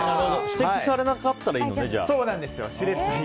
指摘されなかったらいいのね。